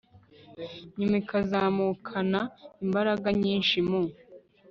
nyuma ikazamukana imbaraga nyinshi. mu